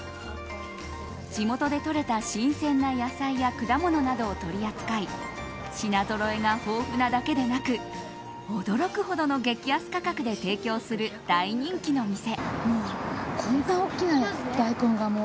地元でとれた新鮮な野菜や果物などを取り扱い品ぞろえが豊富なだけでなく驚くほどの激安価格で提供する大人気の店。